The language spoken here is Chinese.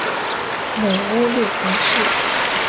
母乌六浑氏。